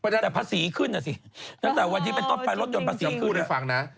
แต่ภาษีขึ้นสิตั้งแต่วันที่เป็นต้นไปรถยนต์ภาษีขึ้น